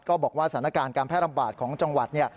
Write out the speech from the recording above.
ก็บอกว่าสถานการณ์การแพทย์อำบาดของจังหวัด